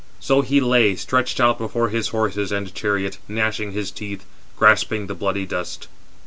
So he lay, stretched out before his horses and chariot, gnashing his teeth, grasping the bloody dust.